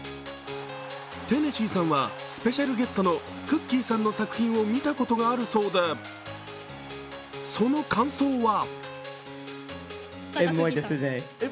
テネシーさんはスペシャルゲストのくっきー！さんの作品を見たことがあるそうで、その感想は？